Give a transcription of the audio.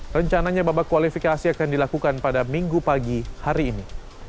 rencananya babak kualifikasi akan dilakukan pada minggu pagi hari ini